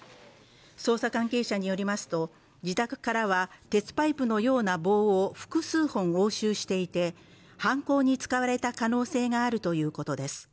捜査関係者によりますと、自宅からは、鉄パイプのような棒を複数本押収していて、犯行に使われた可能性があるということです。